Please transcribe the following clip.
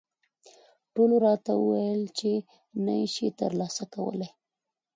ټولو راته وویل چې نه یې شې ترلاسه کولای.